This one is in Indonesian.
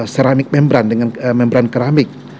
ceramik membran dengan membran keramik